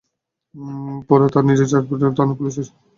পরে তাঁরা নিজেদের কোটচাঁদপুর থানার পুলিশ বলে মাসুমকে ধরে নিয়ে যান।